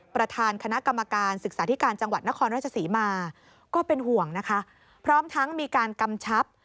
พร้อมทั้งมีการกำชับ